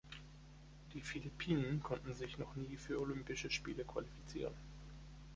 Die Philippinen konnten sich noch nie für Olympische Spiele qualifizieren.